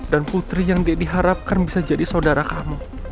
dan putri yang didi harapkan bisa jadi saudara kamu